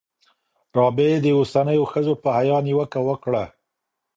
رابعې د اوسنیو ښځو په حیا نیوکه وکړه.